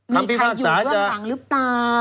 มีใครอยู่เบื้องหลังหรือเปล่า